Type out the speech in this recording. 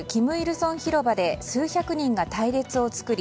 成広場で数百人が隊列を作り